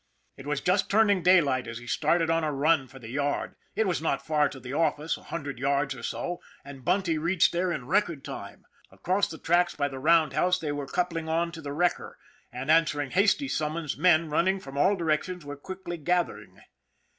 It was just turning daylight as he started on a run for the yard. It was not far to the office, a hundred yards or so, and Bunty reached there in record time. Across the tracks by the roundhouse they were coup ling on to the wrecker ; and answering hasty summons, men, running from all directions, were quickly gath ering.